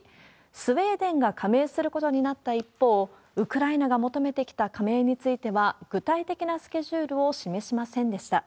スウェーデンが加盟することになった一方、ウクライナが求めてきた加盟については、具体的なスケジュールを示しませんでした。